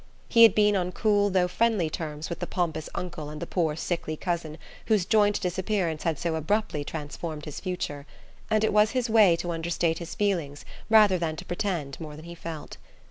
He had been on cool though friendly terms with the pompous uncle and the poor sickly cousin whose joint disappearance had so abruptly transformed his future; and it was his way to understate his feelings rather than to pretend more than he felt.